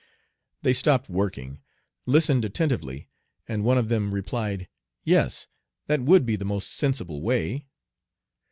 They stopped working, listened attentively, and one of them replied, "Yes, that would be the most sensible way."